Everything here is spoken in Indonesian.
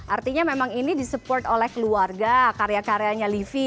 artinya memang ini disupport oleh keluarga karya karyanya livi